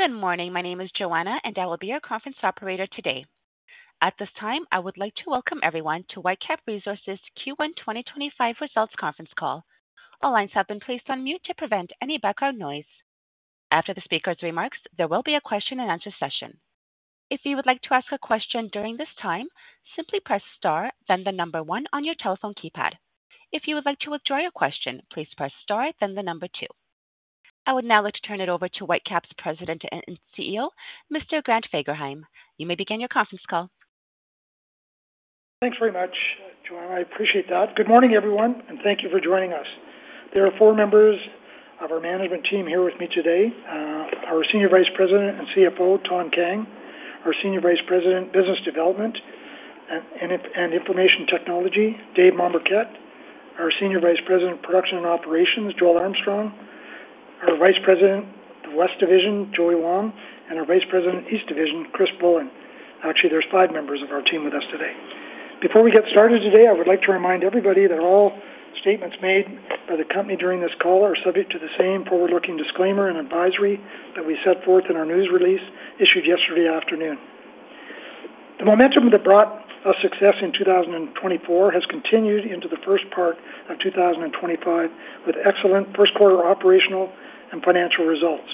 Good morning. My name is Joanna, and I will be your conference operator today. At this time, I would like to welcome everyone to Whitecap Resources Q1 2025 Results Conference Call. All lines have been placed on mute to prevent any background noise. After the speaker's remarks, there will be a question-and-answer session. If you would like to ask a question during this time, simply press star, then the number one on your telephone keypad. If you would like to withdraw your question, please press star, then the number two. I would now like to turn it over to Whitecap's President and CEO, Mr. Grant Fagerheim. You may begin your conference call. Thanks very much, Joanna. I appreciate that. Good morning, everyone, and thank you for joining us. There are four members of our management team here with me today: our Senior Vice President and CFO, Thanh Kang; our Senior Vice President, Business Development and Information Technology, Dave Mombourquette; our Senior Vice President, Production and Operations, Joel Armstrong; our Vice President, West Division, Joey Wong; and our Vice President, East Division, Chris Bullin. Actually, there's five members of our team with us today. Before we get started today, I would like to remind everybody that all statements made by the company during this call are subject to the same forward-looking disclaimer and advisory that we set forth in our news release issued yesterday afternoon. The momentum that brought us success in 2024 has continued into the first part of 2025 with excellent first-quarter operational and financial results.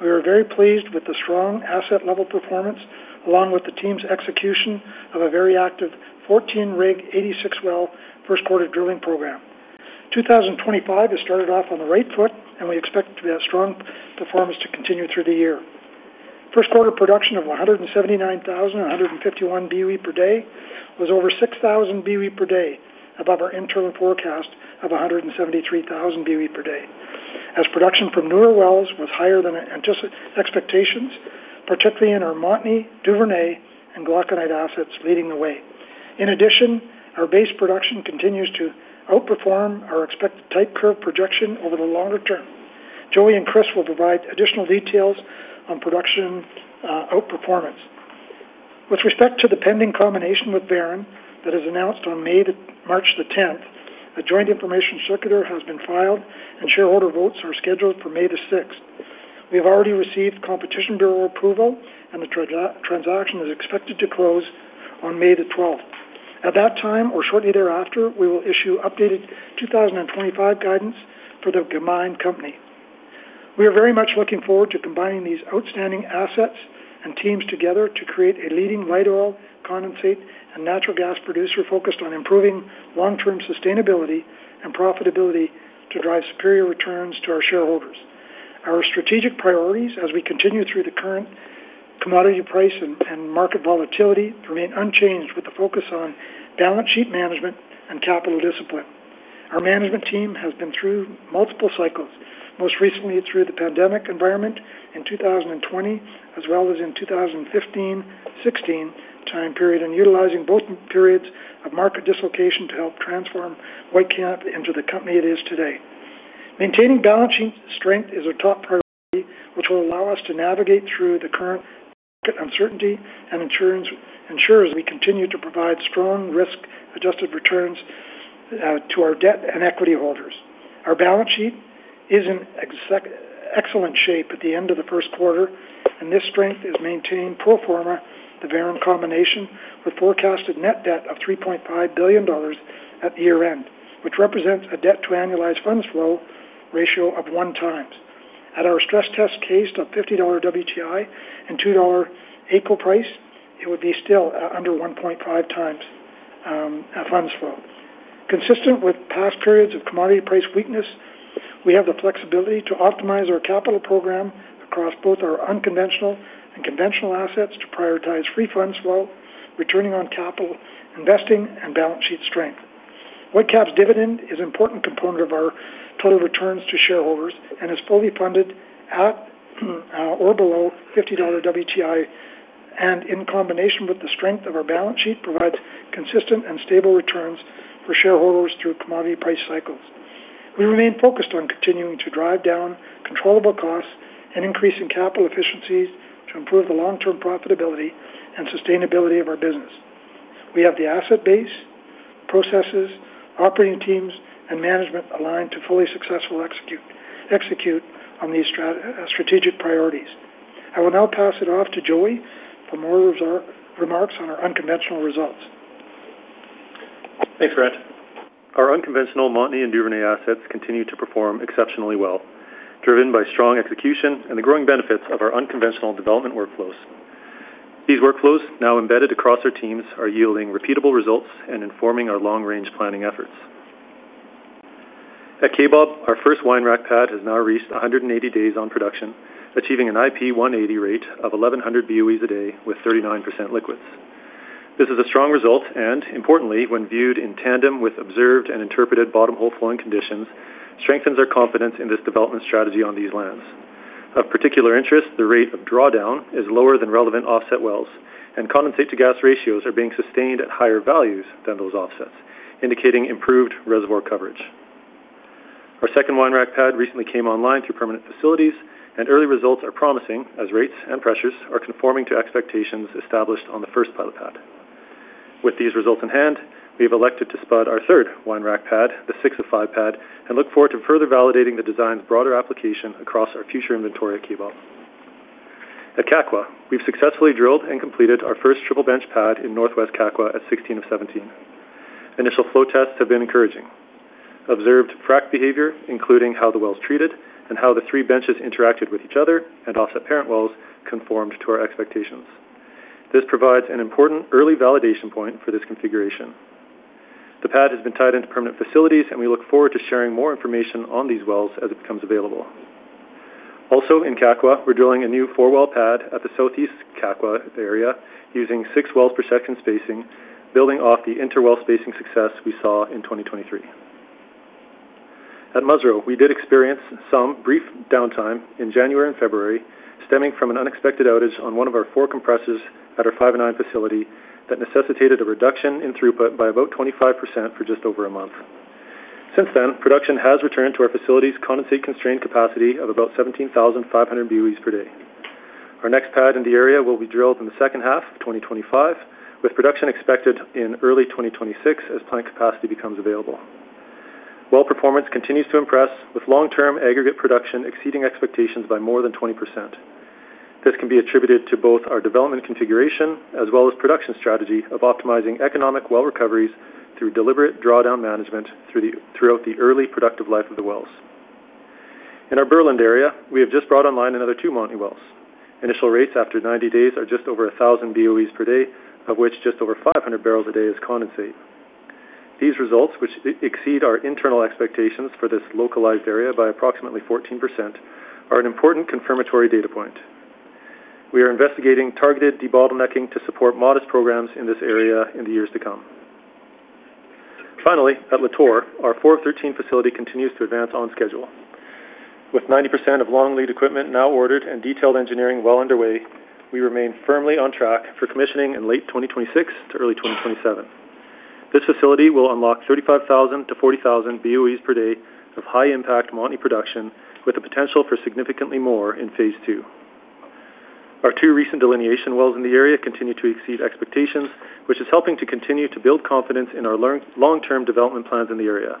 We are very pleased with the strong asset-level performance, along with the team's execution of a very active 14 rig, 86 well first-quarter drilling program. 2025 has started off on the right foot, and we expect that strong performance to continue through the year. First-quarter production of 179,151 boe per day was over 6,000 boe per day above our interim forecast of 173,000 boe per day, as production from newer wells was higher than expectations, particularly in our Montney, Duvernay, and Glauconite assets leading the way. In addition, our base production continues to outperform our expected type curve projection over the longer term. Joey and Chris will provide additional details on production outperformance. With respect to the pending combination with Veren that is announced on March the 10th, a joint information circular has been filed, and shareholder votes are scheduled for May the 6th. We have already received Competition Bureau approval, and the transaction is expected to close on May the 12th. At that time, or shortly thereafter, we will issue updated 2025 guidance for Whitecap Resources. We are very much looking forward to combining these outstanding assets and teams together to create a leading light oil, condensate, and natural gas producer focused on improving long-term sustainability and profitability to drive superior returns to our shareholders. Our strategic priorities, as we continue through the current commodity price and market volatility, remain unchanged with the focus on balance sheet management and capital discipline. Our management team has been through multiple cycles, most recently through the pandemic environment in 2020, as well as in the 2015-2016 time period, and utilizing both periods of market dislocation to help transform Whitecap into the company it is today. Maintaining balance sheet strength is a top priority, which will allow us to navigate through the current market uncertainty and ensures we continue to provide strong risk-adjusted returns to our debt and equity holders. Our balance sheet is in excellent shape at the end of the first quarter, and this strength is maintained pro forma the Veren combination with forecasted net debt of 3.5 billion dollars at year-end, which represents a debt-to-annualized funds flow ratio of one times. At our stress test case of $50 WTI and 2 dollar, it would be still under 1.5 times funds flow. Consistent with past periods of commodity price weakness, we have the flexibility to optimize our capital program across both our unconventional and conventional assets to prioritize free funds flow, returning on capital investing, and balance sheet strength. Whitecap's dividend is an important component of our total returns to shareholders and is fully funded at or below $50 WTI, and in combination with the strength of our balance sheet, provides consistent and stable returns for shareholders through commodity price cycles. We remain focused on continuing to drive down controllable costs and increasing capital efficiencies to improve the long-term profitability and sustainability of our business. We have the asset base, processes, operating teams, and management aligned to fully successfully execute on these strategic priorities. I will now pass it off to Joey for more remarks on our unconventional results. Thanks, Grant. Our unconventional Montney and Duvernay assets continue to perform exceptionally well, driven by strong execution and the growing benefits of our unconventional development workflows. These workflows, now embedded across our teams, are yielding repeatable results and informing our long-range planning efforts. At Kaybob, our first wine rack pad has now reached 180 days on production, achieving an IP 180 rate of 1,100 boe/d with 39% liquids. This is a strong result and, importantly, when viewed in tandem with observed and interpreted bottom hole flowing conditions, strengthens our confidence in this development strategy on these lands. Of particular interest, the rate of drawdown is lower than relevant offset wells, and condensate-to-gas ratios are being sustained at higher values than those offsets, indicating improved reservoir coverage. Our second wine rack pad recently came online through permanent facilities, and early results are promising as rates and pressures are conforming to expectations established on the first pilot pad. With these results in hand, we have elected to spot our third wine rack pad, the 6-05 pad, and look forward to further validating the design's broader application across our future inventory at Kaybob. At Kakwa, we've successfully drilled and completed our first triple bench pad in northwest Kakwa at 16-17. Initial flow tests have been encouraging. Observed frac behavior, including how the wells treated and how the three benches interacted with each other and offset parent wells, conformed to our expectations. This provides an important early validation point for this configuration. The pad has been tied into permanent facilities, and we look forward to sharing more information on these wells as it becomes available. Also, in Kakwa, we're drilling a new four-well pad at the southeast Kakwa area using six wells per section spacing, building off the interwell spacing success we saw in 2023. At Musreau, we did experience some brief downtime in January and February, stemming from an unexpected outage on one of our four compressors at our 5-09 facility that necessitated a reduction in throughput by about 25% for just over a month. Since then, production has returned to our facility's condensate-constrained capacity of about 17,500 boe/d. Our next pad in the area will be drilled in the second half of 2025, with production expected in early 2026 as plant capacity becomes available. Well performance continues to impress, with long-term aggregate production exceeding expectations by more than 20%. This can be attributed to both our development configuration as well as production strategy of optimizing economic well recoveries through deliberate drawdown management throughout the early productive life of the wells. In our Berland area, we have just brought online another two Montney wells. Initial rates after 90 days are just over 1,000 boe/d, of which just over 500 barrels a day is condensate. These results, which exceed our internal expectations for this localized area by approximately 14%, are an important confirmatory data point. We are investigating targeted debottlenecking to support modest programs in this area in the years to come. Finally, at Lator, our 4-13 facility continues to advance on schedule. With 90% of long-lead equipment now ordered and detailed engineering well underway, we remain firmly on track for commissioning in late 2026 to early 2027. This facility will unlock 35,000-40,000 boe/d of high-impact Montney production, with the potential for significantly more in phase II. Our two recent delineation wells in the area continue to exceed expectations, which is helping to continue to build confidence in our long-term development plans in the area.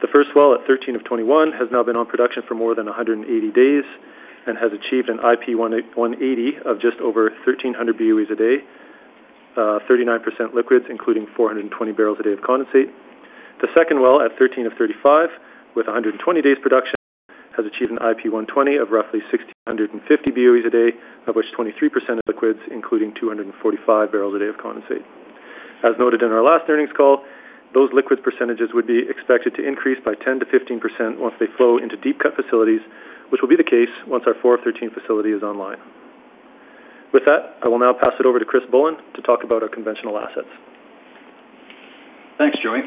The first well at 13-21 has now been on production for more than 180 days and has achieved an IP 180 of just over 1,300 boe/d, 39% liquids, including 420 barrels a day of condensate. The second well at 13-35, with 120 days production, has achieved an IP 120 of roughly 1,650 boe/d, of which 23% are liquids, including 245 barrels a day of condensate. As noted in our last earnings call, those liquid percentages would be expected to increase by 10%-15% once they flow into deep cut facilities, which will be the case once our 4-13 facility is online. With that, I will now pass it over to Chris Bullin to talk about our conventional assets. Thanks, Joey.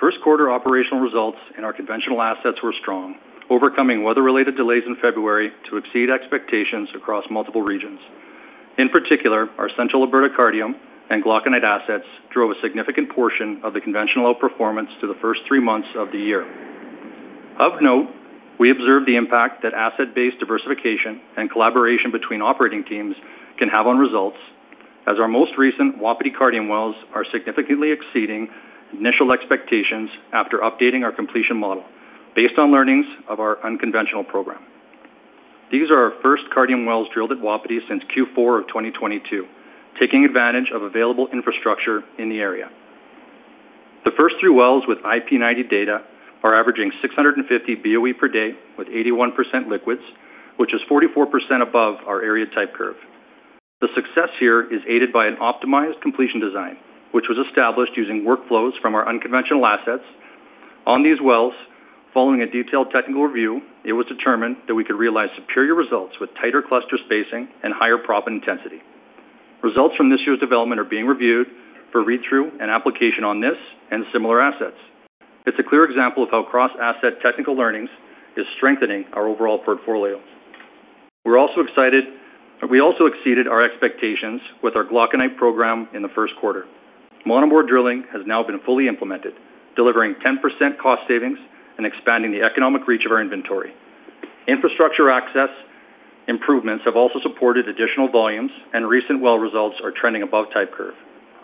First-quarter operational results in our conventional assets were strong, overcoming weather-related delays in February to exceed expectations across multiple regions. In particular, our central Alberta Cardium and Glauconite assets drove a significant portion of the conventional outperformance to the first three months of the year. Of note, we observed the impact that asset-based diversification and collaboration between operating teams can have on results, as our most recent Wapiti Cardium wells are significantly exceeding initial expectations after updating our completion model based on learnings of our unconventional program. These are our first Cardium wells drilled at Wapiti since Q4 of 2022, taking advantage of available infrastructure in the area. The first three wells with IP 90 data are averaging 650 boe per day with 81% liquids, which is 44% above our area type curve. The success here is aided by an optimized completion design, which was established using workflows from our unconventional assets. On these wells, following a detailed technical review, it was determined that we could realize superior results with tighter cluster spacing and higher prop intensity. Results from this year's development are being reviewed for read-through and application on this and similar assets. It's a clear example of how cross-asset technical learnings are strengthening our overall portfolio. We're also excited that we also exceeded our expectations with our Glauconite program in the first quarter. Montney drilling has now been fully implemented, delivering 10% cost savings and expanding the economic reach of our inventory. Infrastructure access improvements have also supported additional volumes, and recent well results are trending above type curve.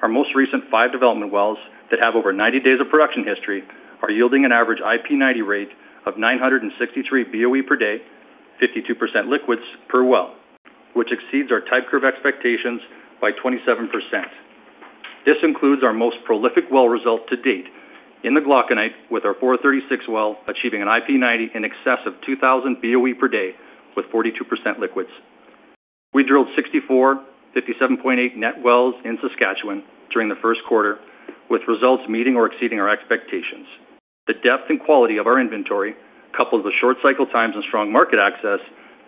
Our most recent five development wells that have over 90 days of production history are yielding an average IP 90 rate of 963 boe per day, 52% liquids per well, which exceeds our type curve expectations by 27%. This includes our most prolific well result to date in the Glauconite, with our 4-36 well achieving an IP 90 in excess of 2,000 boe per day with 42% liquids. We drilled 64, 57.8 net wells in Saskatchewan during the first quarter, with results meeting or exceeding our expectations. The depth and quality of our inventory, coupled with short cycle times and strong market access,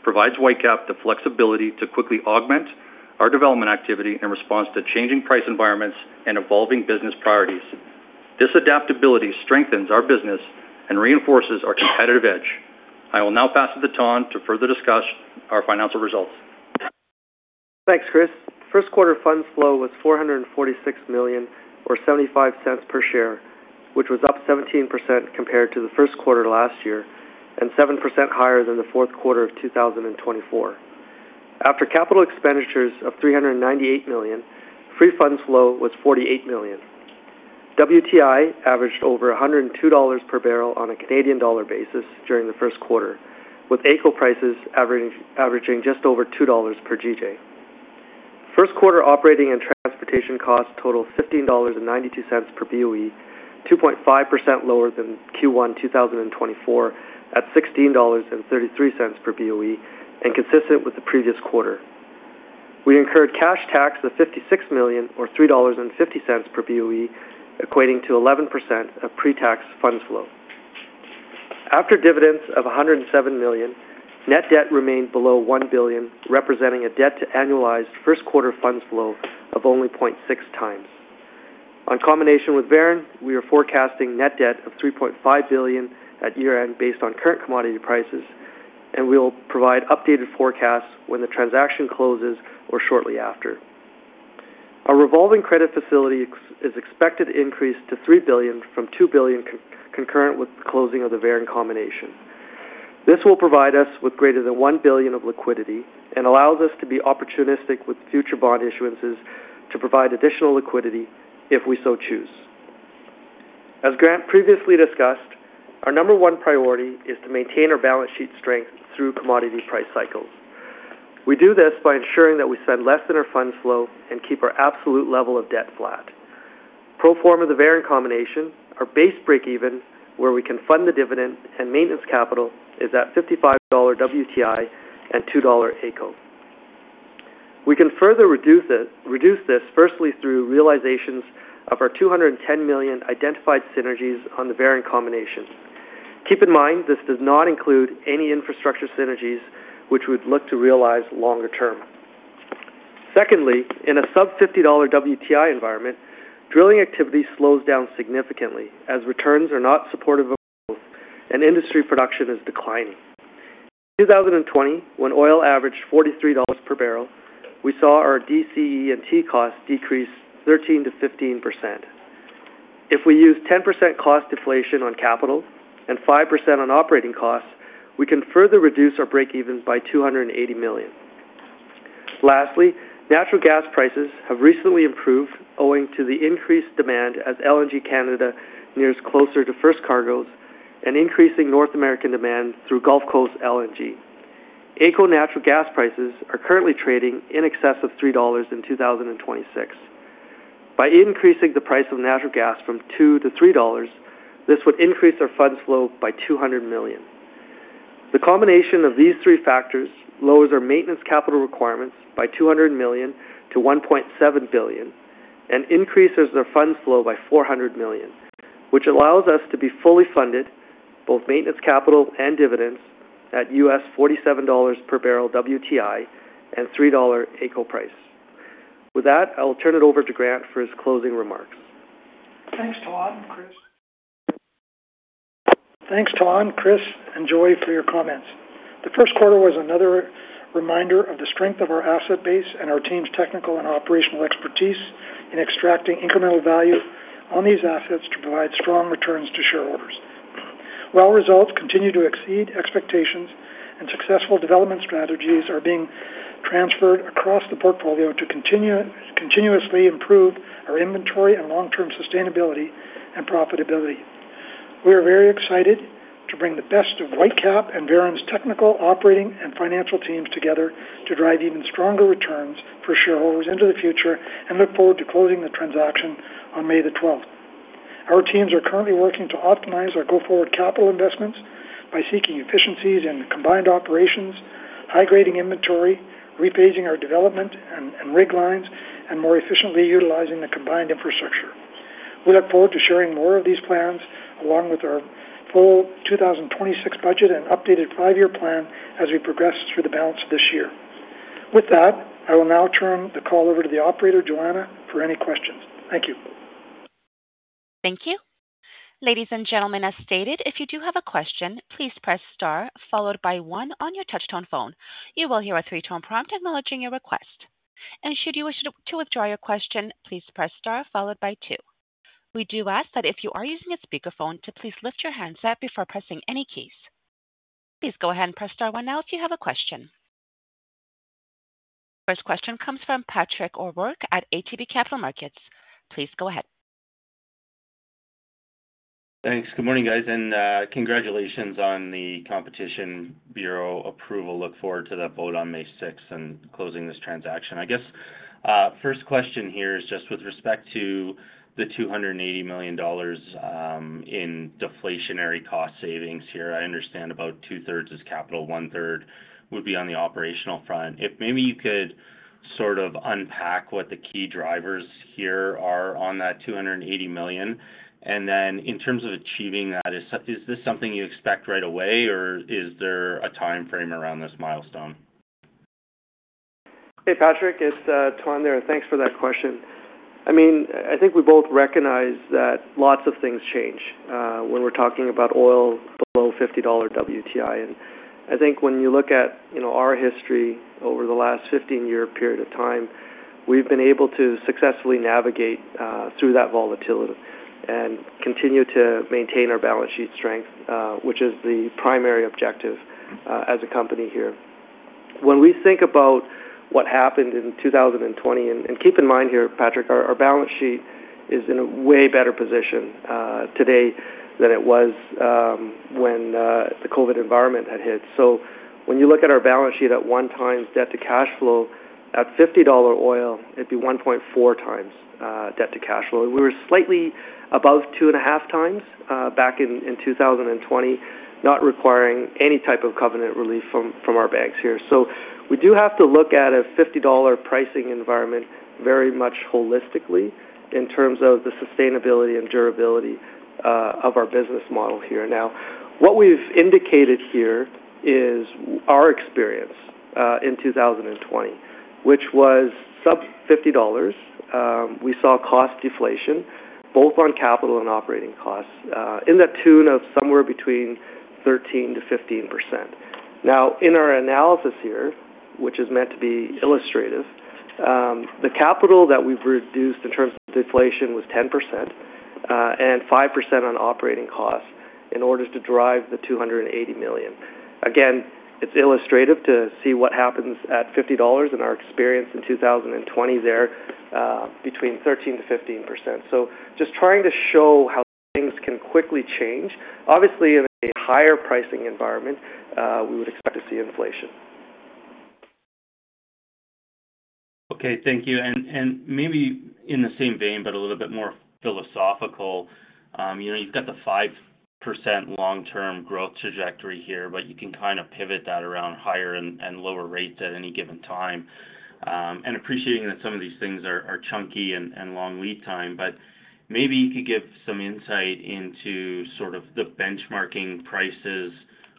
provides Whitecap the flexibility to quickly augment our development activity in response to changing price environments and evolving business priorities. This adaptability strengthens our business and reinforces our competitive edge. I will now pass it to Thanh to further discuss our financial results. Thanks, Chris. First quarter funds flow was 446 million or 0.75 per share, which was up 17% compared to the first quarter last year and 7% higher than the fourth quarter of 2024. After capital expenditures of 398 million, free funds flow was 48 million. WTI averaged over $102 per barrel on a Canadian dollar basis during the first quarter, with AECO prices averaging just over 2 dollars per GJ. First quarter operating and transportation costs totaled 15.92 dollars per boe, 2.5% lower than Q1 2024 at 16.33 dollars per boe and consistent with the previous quarter. We incurred cash tax of 56 million or 3.50 dollars per boe, equating to 11% of pre-tax funds flow. After dividends of 107 million, net debt remained below 1 billion, representing a debt-to-annualized first quarter funds flow of only 0.6 times. On combination with Veren, we are forecasting net debt of 3.5 billion at year-end based on current commodity prices, and we will provide updated forecasts when the transaction closes or shortly after. Our revolving credit facility is expected to increase to 3 billion from 2 billion concurrent with the closing of the Veren combination. This will provide us with greater than 1 billion of liquidity and allows us to be opportunistic with future bond issuances to provide additional liquidity if we so choose. As Grant previously discussed, our number one priority is to maintain our balance sheet strength through commodity price cycles. We do this by ensuring that we spend less than our funds flow and keep our absolute level of debt flat. Pro forma of the Veren combination, our base breakeven where we can fund the dividend and maintenance capital is at $55 WTI and 2 dollar AECO. We can further reduce this firstly through realizations of our 210 million identified synergies on the Veren combination. Keep in mind, this does not include any infrastructure synergies, which we would look to realize longer term. Secondly, in a sub-$50 WTI environment, drilling activity slows down significantly as returns are not supportive of growth and industry production is declining. In 2020, when oil averaged $43 per barrel, we saw our DCET costs decrease 13%-15%. If we use 10% cost deflation on capital and 5% on operating costs, we can further reduce our breakevens by 280 million. Lastly, natural gas prices have recently improved owing to the increased demand as LNG Canada nears closer to first cargoes and increasing North American demand through Gulf Coast LNG. AECO natural gas prices are currently trading in excess of 3 dollars in 2026. By increasing the price of natural gas from $2 to $3, this would increase our funds flow by $200 million. The combination of these three factors lowers our maintenance capital requirements by $200 million to $1.7 billion and increases our funds flow by $400 million, which allows us to be fully funded both maintenance capital and dividends at $47 per barrel WTI and $3 AECO price. With that, I will turn it over to Grant for his closing remarks. Thanks, Thanh. Chris. Thanks, Thanh, Chris, and Joey for your comments. The first quarter was another reminder of the strength of our asset base and our team's technical and operational expertise in extracting incremental value on these assets to provide strong returns to shareholders. While results continue to exceed expectations and successful development strategies are being transferred across the portfolio to continuously improve our inventory and long-term sustainability and profitability. We are very excited to bring the best of Whitecap and Veren's technical, operating, and financial teams together to drive even stronger returns for shareholders into the future and look forward to closing the transaction on May the 12th. Our teams are currently working to optimize our go-forward capital investments by seeking efficiencies in combined operations, high-grading inventory, rephasing our development and rig lines, and more efficiently utilizing the combined infrastructure. We look forward to sharing more of these plans along with our full 2026 budget and updated five-year plan as we progress through the balance of this year. With that, I will now turn the call over to the operator, Joanna, for any questions. Thank you. Thank you. Ladies and gentlemen, as stated, if you do have a question, please press star followed by one on your touchtone phone. You will hear a three-tone prompt acknowledging your request. Should you wish to withdraw your question, please press star followed by two. We do ask that if you are using a speakerphone, to please lift your hands up before pressing any keys. Please go ahead and press star one now if you have a question. Our first question comes from Patrick O'Rourke at ATB Capital Markets. Please go ahead. Thanks. Good morning, guys, and congratulations on the Competition Bureau approval. Look forward to that vote on May 6 and closing this transaction. I guess first question here is just with respect to the 280 million dollars in deflationary cost savings here. I understand about two-thirds is capital, one-third would be on the operational front. If maybe you could sort of unpack what the key drivers here are on that 280 million, and then in terms of achieving that, is this something you expect right away, or is there a timeframe around this milestone? Hey, Patrick, it's Thanh there. Thanks for that question. I mean, I think we both recognize that lots of things change when we're talking about oil below $50 WTI. I think when you look at our history over the last 15-year period of time, we've been able to successfully navigate through that volatility and continue to maintain our balance sheet strength, which is the primary objective as a company here. When we think about what happened in 2020, and keep in mind here, Patrick, our balance sheet is in a way better position today than it was when the COVID environment had hit. When you look at our balance sheet at one-time debt-to-cash flow at $50 oil, it'd be 1.4 times debt-to-cash flow. We were slightly above two and a half times back in 2020, not requiring any type of covenant relief from our banks here. We do have to look at a $50 pricing environment very much holistically in terms of the sustainability and durability of our business model here. What we've indicated here is our experience in 2020, which was sub-$50. We saw cost deflation both on capital and operating costs in the tune of somewhere between 13%-15%. In our analysis here, which is meant to be illustrative, the capital that we've reduced in terms of deflation was 10% and 5% on operating costs in order to drive the 280 million. Again, it's illustrative to see what happens at $50 and our experience in 2020 there between 13%-15%. Just trying to show how things can quickly change. Obviously, in a higher pricing environment, we would expect to see inflation. Okay. Thank you. Maybe in the same vein, but a little bit more philosophical, you've got the 5% long-term growth trajectory here, but you can kind of pivot that around higher and lower rates at any given time. Appreciating that some of these things are chunky and long lead time, maybe you could give some insight into sort of the benchmarking prices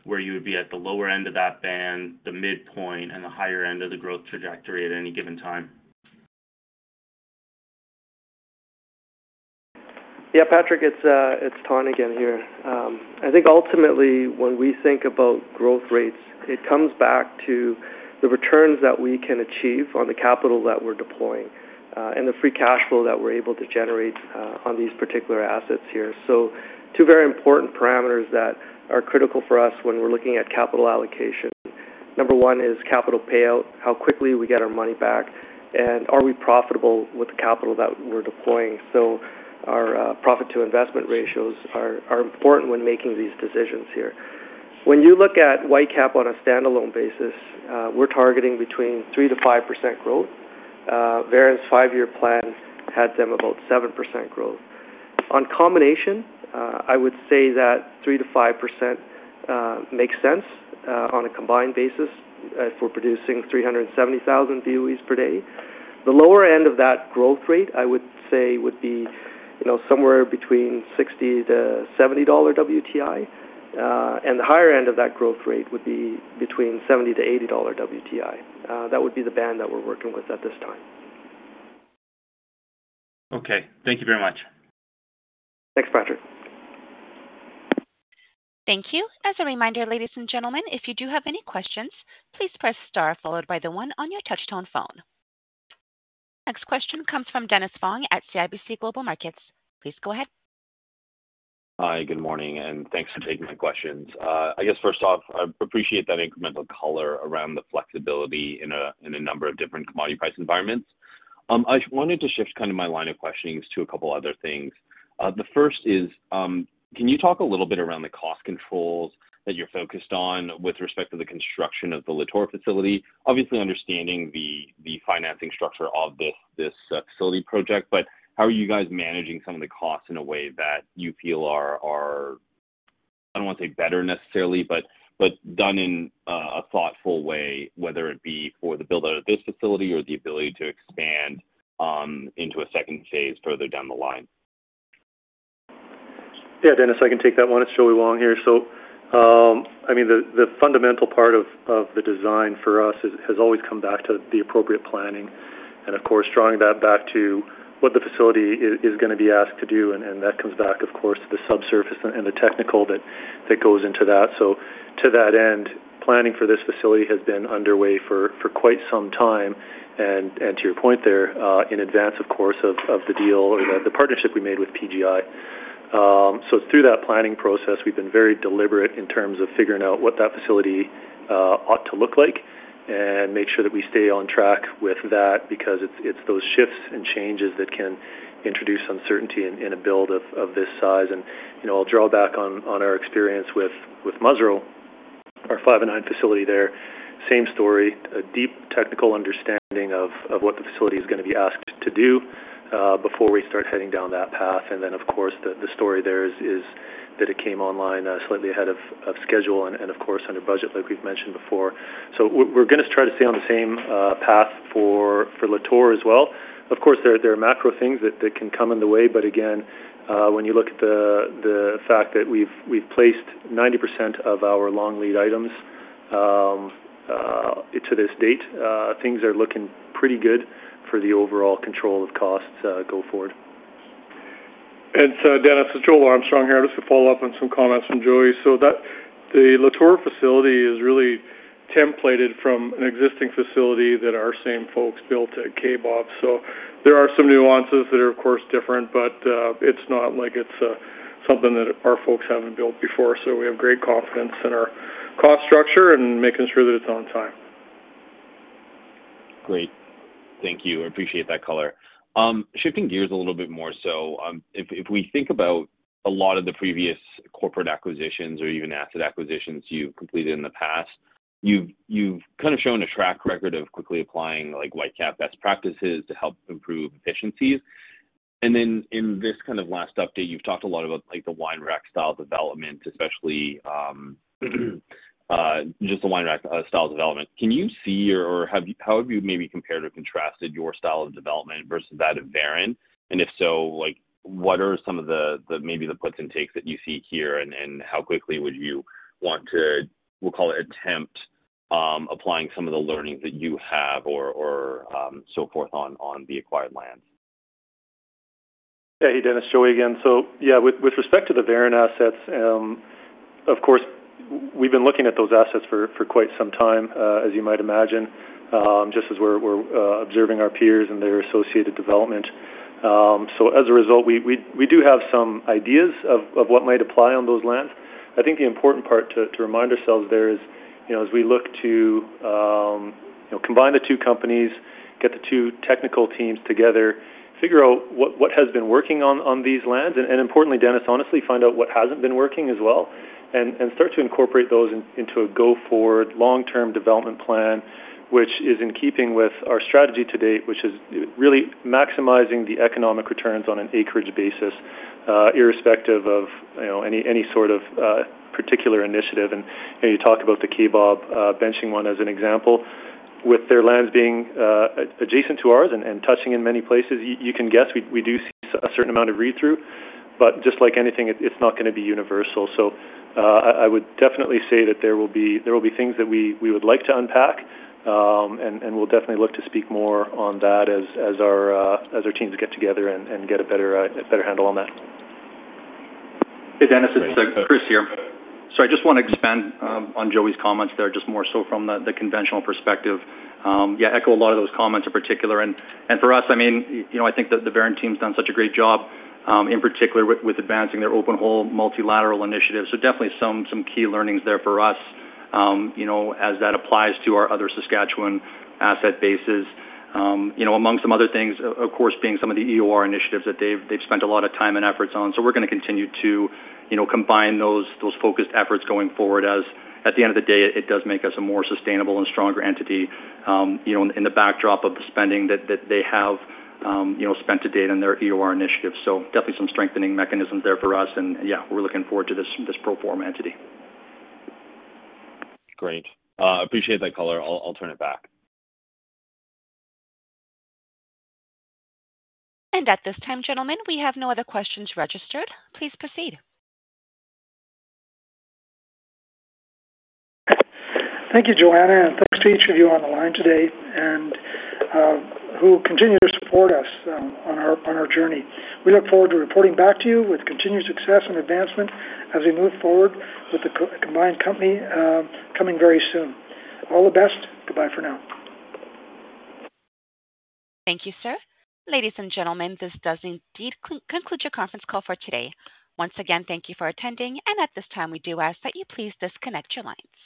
where you would be at the lower end of that band, the midpoint, and the higher end of the growth trajectory at any given time. Yeah, Patrick, it's Thanh again here. I think ultimately, when we think about growth rates, it comes back to the returns that we can achieve on the capital that we're deploying and the free cash flow that we're able to generate on these particular assets here. Two very important parameters that are critical for us when we're looking at capital allocation. Number one is capital payout, how quickly we get our money back, and are we profitable with the capital that we're deploying. Our profit-to-investment ratios are important when making these decisions here. When you look at Whitecap on a standalone basis, we're targeting between 3%-5% growth. Veren's five-year plan had them about 7% growth. On combination, I would say that 3%-5% makes sense on a combined basis if we're producing 370,000 boe/d. The lower end of that growth rate, I would say, would be somewhere between $60-$70 WTI, and the higher end of that growth rate would be between $70-$80 WTI. That would be the band that we're working with at this time. Okay. Thank you very much. Thanks, Patrick. Thank you. As a reminder, ladies and gentlemen, if you do have any questions, please press star followed by the one on your touchtone phone. Next question comes from Dennis Fong at CIBC Global Markets. Please go ahead. Hi, good morning, and thanks for taking my questions. I guess first off, I appreciate that incremental color around the flexibility in a number of different commodity price environments. I wanted to shift kind of my line of questioning to a couple of other things. The first is, can you talk a little bit around the cost controls that you're focused on with respect to the construction of the Lator facility? Obviously, understanding the financing structure of this facility project, but how are you guys managing some of the costs in a way that you feel are, I don't want to say better necessarily, but done in a thoughtful way, whether it be for the build-out of this facility or the ability to expand into a second phase further down the line? Yeah, Dennis, I can take that one. It's Joey Wong here. I mean, the fundamental part of the design for us has always come back to the appropriate planning and, of course, drawing that back to what the facility is going to be asked to do. That comes back, of course, to the subsurface and the technical that goes into that. To that end, planning for this facility has been underway for quite some time. To your point there, in advance, of course, of the deal or the partnership we made with PGI. Through that planning process, we've been very deliberate in terms of figuring out what that facility ought to look like and make sure that we stay on track with that because it's those shifts and changes that can introduce uncertainty in a build of this size. I'll draw back on our experience with Musreau, our five and nine facility there. Same story, a deep technical understanding of what the facility is going to be asked to do before we start heading down that path. The story there is that it came online slightly ahead of schedule and, of course, under budget, like we've mentioned before. We're going to try to stay on the same path for Lator as well. Of course, there are macro things that can come in the way, but again, when you look at the fact that we've placed 90% of our long lead items to this date, things are looking pretty good for the overall control of costs go forward. Dennis, it's Joel Armstrong here. I just want to follow up on some comments from Joey. The Lator facility is really templated from an existing facility that our same folks built at Kaybob. There are some nuances that are, of course, different, but it's not like it's something that our folks haven't built before. We have great confidence in our cost structure and making sure that it's on time. Great. Thank you. I appreciate that color. Shifting gears a little bit more so, if we think about a lot of the previous corporate acquisitions or even asset acquisitions you've completed in the past, you've kind of shown a track record of quickly applying Whitecap best practices to help improve efficiencies. In this kind of last update, you've talked a lot about the wine rack style development, especially just the wine rack style development. Can you see or how have you maybe compared or contrasted your style of development versus that of Veren? If so, what are some of the maybe the puts and takes that you see here and how quickly would you want to, we'll call it attempt, applying some of the learnings that you have or so forth on the acquired lands? Hey, Dennis, Joey again. Yeah, with respect to the Veren assets, of course, we've been looking at those assets for quite some time, as you might imagine, just as we're observing our peers and their associated development. As a result, we do have some ideas of what might apply on those lands. I think the important part to remind ourselves there is as we look to combine the two companies, get the two technical teams together, figure out what has been working on these lands, and importantly, Dennis, honestly find out what has not been working as well and start to incorporate those into a go-forward long-term development plan, which is in keeping with our strategy to date, which is really maximizing the economic returns on an acreage basis, irrespective of any sort of particular initiative. You talk about the Kaybob benching one as an example. With their lands being adjacent to ours and touching in many places, you can guess we do see a certain amount of read-through, but just like anything, it's not going to be universal. I would definitely say that there will be things that we would like to unpack, and we'll definitely look to speak more on that as our teams get together and get a better handle on that. Hey, Dennis, it's Chris here. I just want to expand on Joey's comments there just more so from the conventional perspective. Yeah, echo a lot of those comments in particular. For us, I mean, I think the Veren team's done such a great job in particular with advancing their open hole multilateral initiative. Definitely some key learnings there for us as that applies to our other Saskatchewan asset bases. Among some other things, of course, being some of the EOR initiatives that they've spent a lot of time and efforts on. We're going to continue to combine those focused efforts going forward as at the end of the day, it does make us a more sustainable and stronger entity in the backdrop of the spending that they have spent to date in their EOR initiative. Definitely some strengthening mechanisms there for us. Yeah, we're looking forward to this pro form entity. Great. Appreciate that color. I'll turn it back. At this time, gentlemen, we have no other questions registered. Please proceed. Thank you, Joanna, and thanks to each of you on the line today and who continue to support us on our journey. We look forward to reporting back to you with continued success and advancement as we move forward with the combined company coming very soon. All the best. Goodbye for now. Thank you, sir. Ladies and gentlemen, this does indeed conclude your conference call for today. Once again, thank you for attending, and at this time, we do ask that you please disconnect your lines.